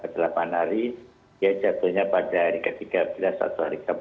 jadi dia jatuhnya pada hari ke tiga belas atau hari ke empat belas